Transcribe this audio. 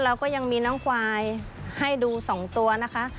เราก็ยังมีน้องควายให้ดู๒ตัวนะคะ